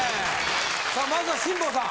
さあまずは辛坊さん。